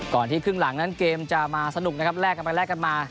ก่อนที่ครึ่งหลังนั้นเกมจะมาสนุกนะครับแลกกันมามา